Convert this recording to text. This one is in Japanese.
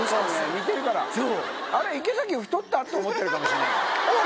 あれ池崎太った？と思ってるかもしれない。